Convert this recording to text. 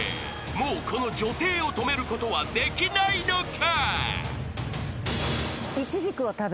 ［もうこの女帝を止めることはできないのか？］